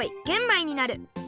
米になる。